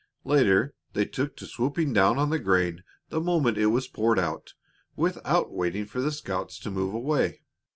Later they took to swooping down on the grain the moment it was poured out, without waiting for the scouts to move away.